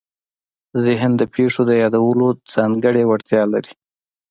ذهن د پېښو د یادولو ځانګړې وړتیا لري.